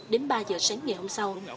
đến ba h sáng ngày hôm sau